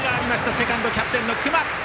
セカンド、キャプテンの隈。